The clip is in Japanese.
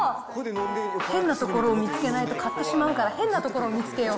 変なところを見つけないと、買ってしまうから、変なところを見つけよう。